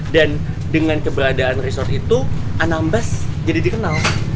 dan dengan keberadaan resort itu anambas jadi dikenal